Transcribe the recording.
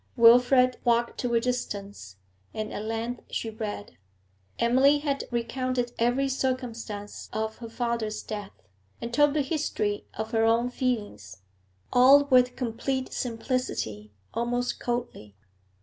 Wilfrid walked to a distance, and at length she read. Emily had recounted every circumstance of her father's death, and told the history of her own feelings, all with complete simplicity, almost coldly.